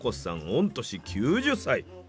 御年９０歳！